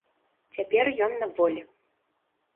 Цяпер ён на волі.